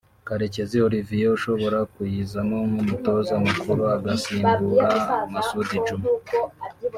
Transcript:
Karekezi Olivier ushobora kuyizamo nk’umutoza mukuru agasimbura Masudi Djuma